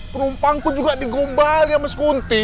penumpang saya juga di gombal ya mas kunti